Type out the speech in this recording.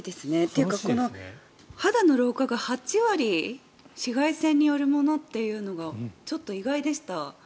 というか肌の老化が８割紫外線によるものというのがちょっと意外でした。